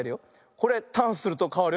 これターンするとかわるよ。